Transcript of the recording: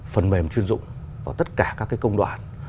phần mềm chuyên dụng vào tất cả các công đoàn